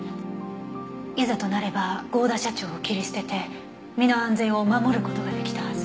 いざとなれば合田社長を切り捨てて身の安全を守る事が出来たはず。